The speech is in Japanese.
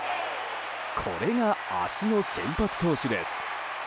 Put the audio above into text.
これが、明日の先発投手です。